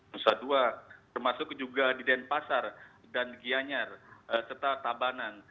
nusa dua termasuk juga di denpasar dan gianyar serta tabanan